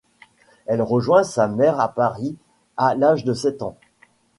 Elle rejoint sa mère à Paris à l'âge de sept ans.